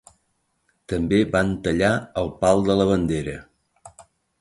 També van tallar el pal de la bandera.